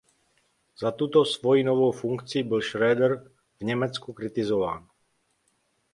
Za tuto svoji novou funkci byl Schröder v Německu kritizován.